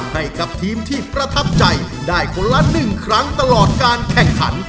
ให้กับทีมที่ประทับใจได้คนละ๑ครั้งตลอดการแข่งขัน